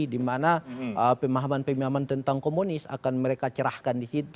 dimana pemahaman pemahaman tentang komunis akan mereka cerahkan disitu